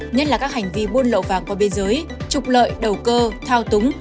nhất là các hành vi buôn lậu vàng qua biên giới trục lợi đầu cơ thao túng